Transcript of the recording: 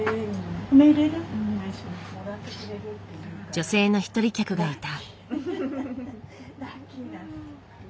女性の一人客がいた。